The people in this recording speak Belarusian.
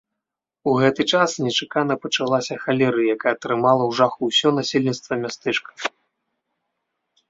У гэты час нечакана пачалася халеры, якая трымала ў жаху ўсё насельніцтва мястэчка.